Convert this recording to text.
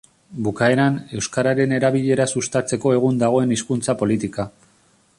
Bukaeran, euskararen erabilera sustatzeko egun dagoen hizkuntza-politika.